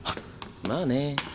まあね。